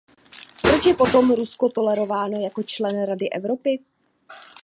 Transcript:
Proč je potom Rusko tolerováno jako člen Rady Evropy?